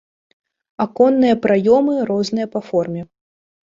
Аконныя праёмы розныя па форме.